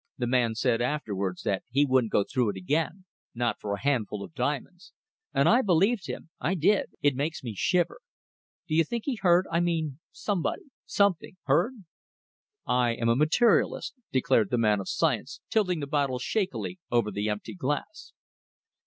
The man said afterwards that he wouldn't go through it again not for a handful of diamonds. And I believed him I did. It makes me shiver. Do you think he heard? No! I mean somebody something heard? ..." "I am a materialist," declared the man of science, tilting the bottle shakily over the emptied glass.